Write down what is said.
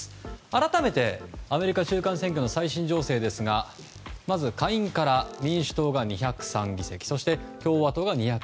改めて、アメリカ中間選挙の最新情勢ですがまず、下院から民主党が２０３議席そして共和党が２１１。